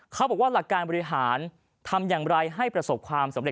เขาบอกว่าหลักการบริหารทำอย่างไรให้ประสบความสำเร็